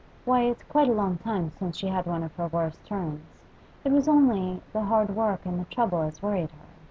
Why, it's quite a long time since she had one of her worst turns. It was only the hard work and the trouble as worried her.